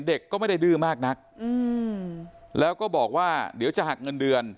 เด็กก็ไม่ได้ดื้อมากนักแล้วก็บอกว่าเดี๋ยวจะหักเงินเดือน